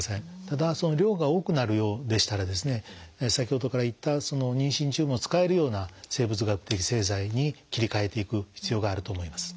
ただその量が多くなるようでしたら先ほどから言った妊娠中も使えるような生物学的製剤に切り替えていく必要があると思います。